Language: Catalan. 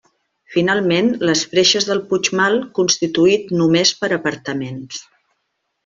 Finalment, les Freixes del Puigmal, constituït només per apartaments.